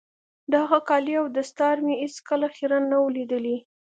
د هغه کالي او دستار مې هېڅ کله خيرن نه وو ليدلي.